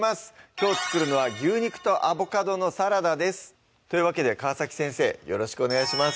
きょう作るのは「牛肉とアボカドのサラダ」ですというわけで川先生よろしくお願いします